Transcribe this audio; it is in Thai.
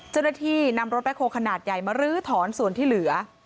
เจ้าหน้าที่นำรถแบคโฮลขนาดใหญ่มาลื้อถอนส่วนที่เหลือ